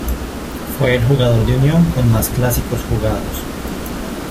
Fue el Jugador de Unión con más clásicos jugados.